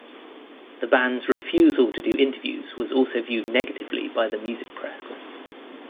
The band's refusal to do interviews was also viewed negatively by the music press.